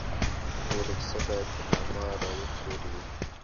ټوله کیسه باید پر نامه را وڅورلي.